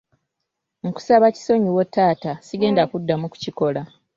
Nkusaba kisonyiwo taata, sigenda kuddamu kukikola.